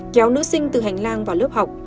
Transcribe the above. kéo nữ sinh từ hành lang vào lớp học